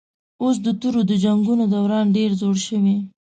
اوس د تورو د جنګونو دوران ډېر زوړ شوی